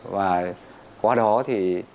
và qua đó thì